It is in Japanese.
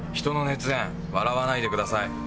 人の熱演笑わないでください。